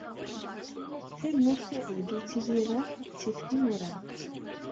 Tamurt ideg ttidireɣ, tif timura.